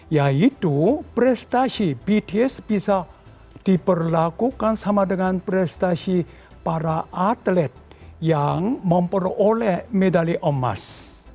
yaitu prestasi bts bisa diperlakukan sama dengan prestasi para atlet yang memperoleh medali emas